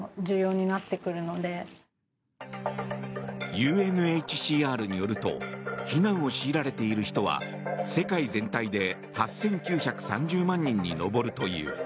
ＵＮＨＣＲによると避難を強いられている人は世界全体で８９３０万人に上るという。